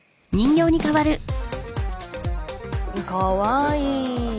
かわいい。